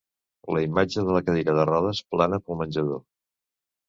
La imatge de la cadira de rodes plana pel menjador.